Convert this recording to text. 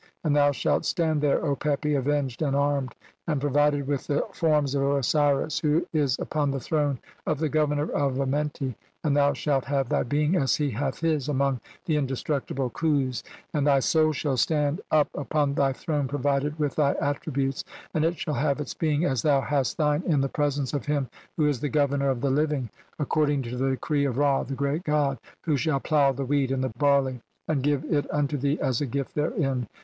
"And thou shalt stand [there], O Pepi, avenged, and "armed, and provided with the (16) forms of Osiris "who is upon the throne of the Governor of Amenti, "and thou shalt have thy being as he hath his among "the indestructible Khus, (17) And thy soul shall stand "up upon thy throne provided with thy attribute[s], "and it shall have its being as thou hast thine in the "presence of him who is the Governor of the Living, "according to the decree of Ra, the great god, (18) "who shall plough the wheat and the barley and give "it unto thee as a gift therein.